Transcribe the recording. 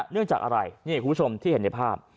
เนื่องจากอะไรนี่คุณผู้ชมที่เห็นในภาพ